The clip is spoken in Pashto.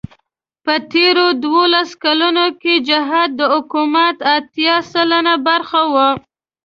په تېرو دولسو کالو کې جهاد د حکومت اتيا سلنه برخه وه.